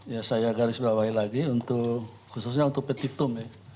ya saya garis bawahi lagi untuk khususnya untuk petitum ya